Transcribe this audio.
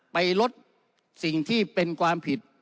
ไปลดสิ่งที่เป็นความผิด